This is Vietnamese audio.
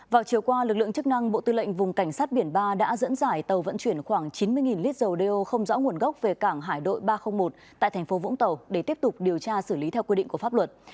vào chiều qua lực lượng chức năng bộ tư lệnh vùng cảnh sát biển ba đã dẫn dải tàu vận chuyển khoảng chín mươi lít dầu đeo không rõ nguồn gốc về cảng hải đội ba trăm linh một tại thành phố vũng tàu để tiếp tục điều tra xử lý theo quy định của pháp luật